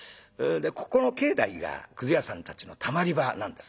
ここの境内がくず屋さんたちのたまり場なんですな。